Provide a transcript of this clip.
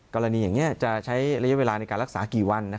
กรณีอย่างนี้จะใช้ระยะเวลาในการรักษากี่วัน